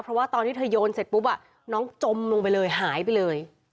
เพราะว่าตอนที่เธอโยนเสร็จปุ๊บน้องจมลงไปเลยหายไปเลย